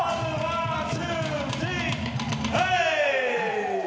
はい！